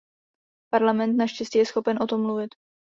Parlament naštěstí je schopen o tom mluvit.